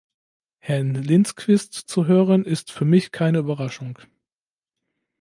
Herrn Lindqvist zu hören, ist für mich keine Überraschung.